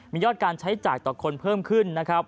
มียอดการใช้จ่ายต่อคนเพิ่มขึ้นนะครับ